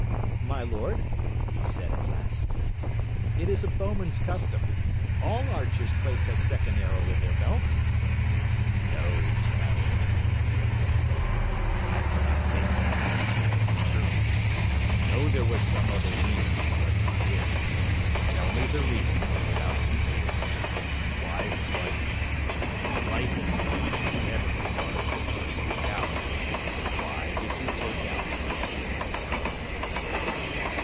"My lord," he said at last, "it is a bowman's custom. All archers place a second arrow in their belt." "No, Tell," said Gessler, "I cannot take that answer as the truth. I know there was some other meaning in what you did. Tell me the reason without concealment. Why was it? Your life is safe, whatever it was, so speak out. Why did you take out that second arrow?"